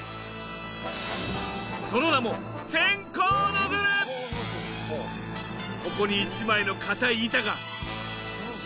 その名もここに一枚の硬い板が。